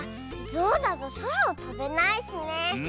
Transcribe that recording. ゾウだとそらをとべないしね。